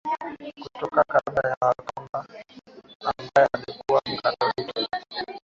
kutoka kabila la Wakakwa ambaye alikuwa Mkatoliki